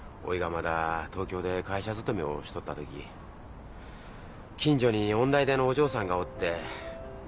まだ東京で会社勤めばしとったとき近所に音大出のお嬢さんがおって。